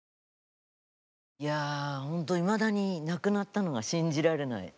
いやほんといまだに亡くなったのが信じられない。